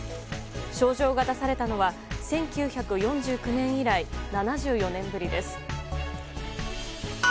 招状が出されたのは１９４９年以来、７４年ぶりです。